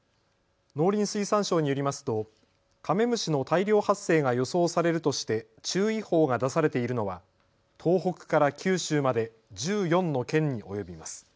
農林水産省によりますとカメムシの大量発生が予想されるとして注意報が出されているのは東北から九州まで１４の県に及びます。